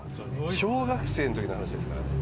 小学生の時の話ですからね。